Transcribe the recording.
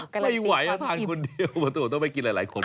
ไม่ไหวนะทานคนเดียวตัวตัวต้องไปกินหลายคน